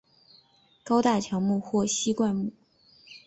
高大乔木或稀灌木。